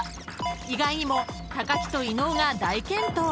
［意外にも木と伊野尾が大健闘］